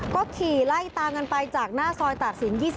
ก็ขี่ไล่ตามกันไปจากหน้าซอยตากศิลป๒๐